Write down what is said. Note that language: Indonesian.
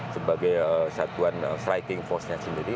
sebagai satuan striking force nya sendiri